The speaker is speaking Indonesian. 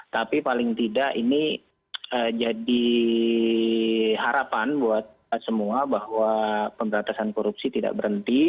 tapi paling tidak ini jadi harapan buat kita semua bahwa pemberantasan korupsi tidak berhenti